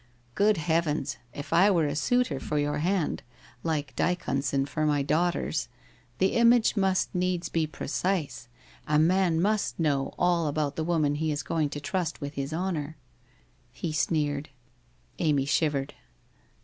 Good Heavens, if I were a suitor for your hand, like Dyconson for my daugh ter's, the image must need be precise, a man must know all about the woman he is going to trust with his honour.' He sneered. Amy shivered.